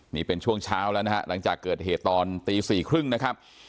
นี่เป็นช่วงเช้าแล้วนะครับหลังจากเกิดเหตุตอนตีสี่ครึ่งนะครับ